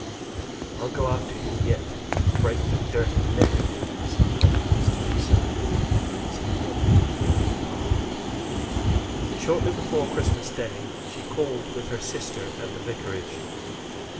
"I'll go after him yet, and break the dirty neck of him," said Hopkins to himself, as he walked down the path. Shortly before Christmas Day she called with her sister at the vicarage.